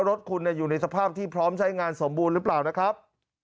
รถคุณอยู่ในสภาพที่พร้อมใช้งานสมบูรณ์หรือเปล่านะครับ